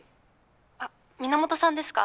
あっ皆本さんですか？